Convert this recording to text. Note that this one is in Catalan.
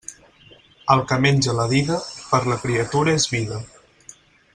El que menja la dida, per la criatura és vida.